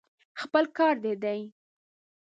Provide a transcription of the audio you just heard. خپل کار دې دی.